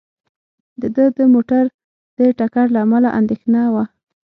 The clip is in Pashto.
د ده د موټر د ټکر له امله اندېښنه وه.